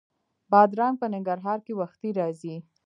بادرنګ په ننګرهار کې وختي راځي